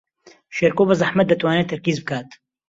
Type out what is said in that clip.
شێرکۆ بەزەحمەت دەتوانێت تەرکیز بکات.